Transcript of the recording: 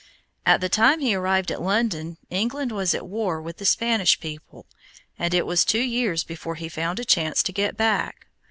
At the time he arrived at London, England was at war with the Spanish people, and it was two years before he found a chance to get back.